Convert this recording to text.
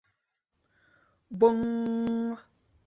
— Бу-уҥ!